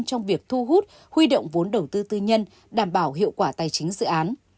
trong việc thu hút huy động vốn đầu tư tư nhân đảm bảo hiệu quả tài chính dự án